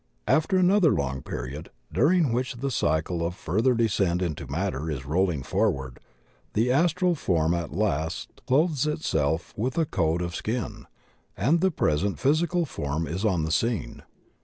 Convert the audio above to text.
After another long period, during which the cycle of further descent into matter is rolling forward, the astral form at last clothes itself with a "coat of skin," and the present physical form is on the scene.